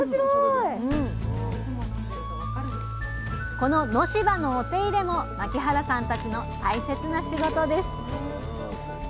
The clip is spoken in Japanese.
この野芝のお手入れも牧原さんたちの大切な仕事です